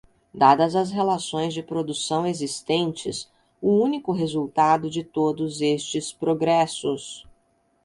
dadas as relações de produção existentes, o único resultado de todos estes progressos